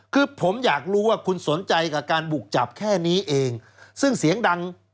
คือผมอยากรู้ว่าคุณสนใจกับการบุกจับแค่นี้เองซึ่งเสียงดัง